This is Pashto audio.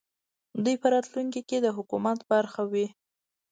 دوی په راتلونکې کې د حکومت برخه وي